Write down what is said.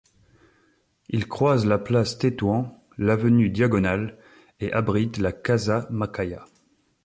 Il croise la Place Tétouan, l'avenue Diagonal et abrite la Casa Macaya.